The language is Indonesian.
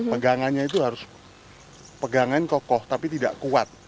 pegangannya itu harus pegangan kokoh tapi tidak kuat